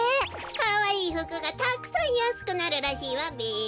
かわいいふくがたくさんやすくなるらしいわべ。